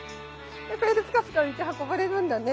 これでプカプカ浮いて運ばれるんだね。